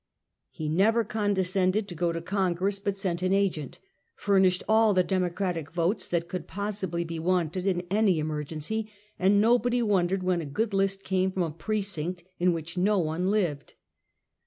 He never condescended to go to Congress, but sent an agent; furnished all the Democratic votes that could possibly be wanted in any emergency, and nobody wondered when a good list came from a precinct in which no one lived.